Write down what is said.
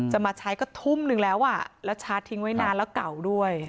มาใช้ก็ทุ่มนึงแล้วแล้วชาร์จทิ้งไว้นานแล้วเก่าด้วย